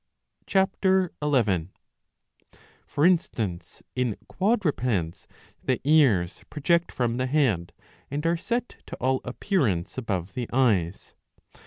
(Ch. \\.) For instance in quadrupeds the ears project from the head and are set to all appearance above the eyes.